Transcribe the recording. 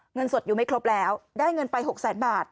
เงินสดอยู่ไม่ครบแล้วได้เงินไป๖แสนบาท